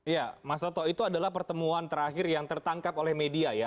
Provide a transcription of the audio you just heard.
ya mas toto itu adalah pertemuan terakhir yang tertangkap oleh media ya